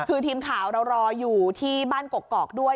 คือทีมข่าวเรารออยู่ที่บ้านกกอกด้วย